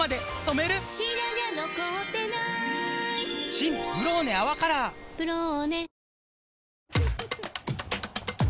新「ブローネ泡カラー」「ブローネ」